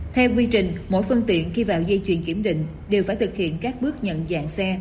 theo quy trình mỗi phương tiện khi vào dây chuyền kiểm định đều phải thực hiện các bước nhận dạng xe